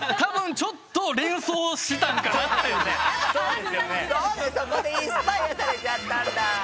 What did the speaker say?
そうだそこでインスパイアされちゃったんだ。